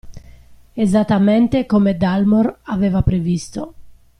Esattamente come Dalmor aveva previsto.